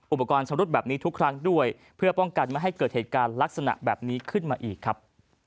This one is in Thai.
อุปกรณ์ชำรุดแบบนี้ทุกครั้งด้วยเพื่อป้องกันไม่ให้เกิดเหตุการณ์ลักษณะแบบนี้ขึ้นมาอีกครับ